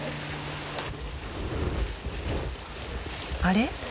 あれ？